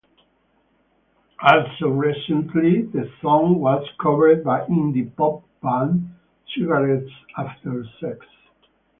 Also recently the song was covered by indie-pop band Cigarettes After Sex.